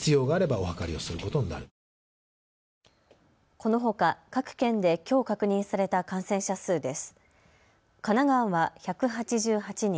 このほか各県できょう確認された感染者数です。